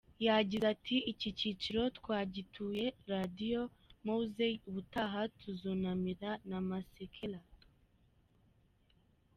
Yagize ati "Iki cyiciro twagituye Radio Mowzey, ubutaha tuzunamira na Masekela.